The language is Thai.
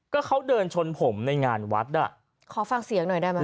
ก็เขาเดินชนผมในงานวัดอ่ะขอฟังเสียงหน่อยได้ไหม